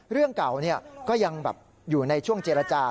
เรื่องเก่าก็ยังอยู่ในช่วงเจรจา